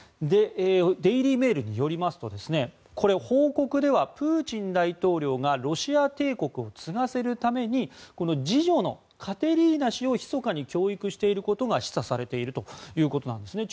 デイリー・メールによりますと報告ではプーチン大統領がロシア帝国を継がせるために次女のカテリーナ氏をひそかに教育していることが示唆されているということなんですね。